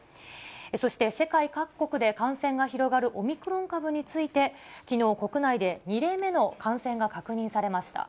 そして、世界各国で感染が広がるオミクロン株について、きのう、国内で２例目の感染が確認されました。